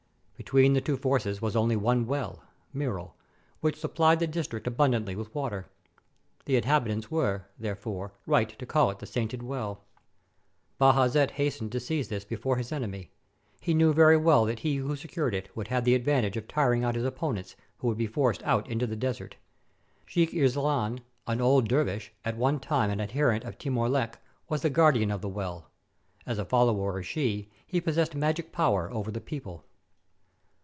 Between the two forces was only one well (Miral) which supplied the district abundantly with water. The inhabitants were, therefore, right to call it the Sainted Well. Bajazet hastened to seize this before his enemy. He knew very well that he who secured it would have the advantage of tiring out his opponents, who would be forced out into the desert. Sheik Irzlan, an old dervish, 463 TURKEY at one time an adherent of Timur Lenk, was the guard ian of the well. As a follower of Shi he possessed magic power over the people.